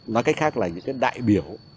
nói cách khác là những cái đại biểu